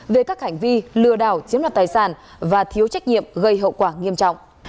về các hành vi lừa đảo chiếm đoạt tài sản và thiếu trách nhiệm gây hậu quả nghiêm trọng